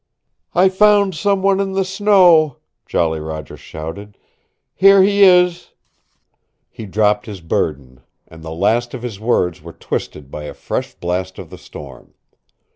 "I found some one in the snow," Jolly Roger shouted. "Here he is " He dropped his burden, and the last of his words were twisted by a fresh blast of the storm.